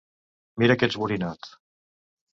Mira que ets borinot!